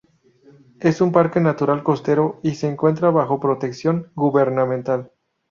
Es un parque natural costero y se encuentra bajo protección gubernamental.